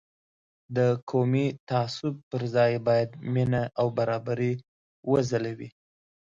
د قومي تعصب پر ځای باید مینه او برابري وځلوي.